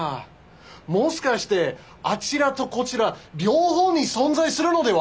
もしかしてあちらとこちら両方に存在するのでは。